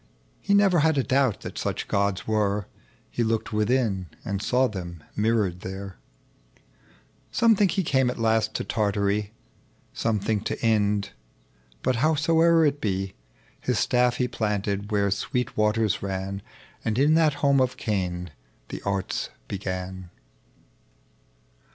He never had a doubt that such gods ffere ; He looked within, and saw them rairrored there. Some think he came at last to Tartary, And some to Ind ; but, howsoe'er it be, His staff he planted where sweet waters ran. And in that home of Cain the Arts began.